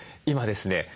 今ですね